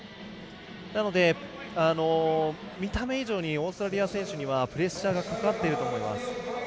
なので、見た目以上にオーストラリア選手にはプレッシャーがかかっていると思います。